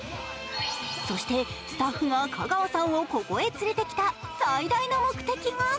そして、スタッフが香川さんをここへ連れてきた最大の目的が。